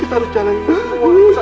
kita harus jalani semua